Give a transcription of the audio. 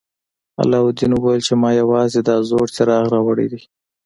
علاوالدین وویل چې ما یوازې دا زوړ څراغ راوړی دی.